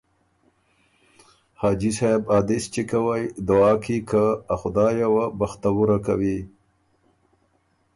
”حاجی صېب ا دِس چِګ کوئ دعا کی که ا خدایه وه بختوُره کوی“